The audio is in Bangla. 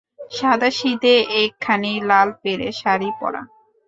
সাদাসিধে একখানি লালপেড়ে শাড়ি পরা।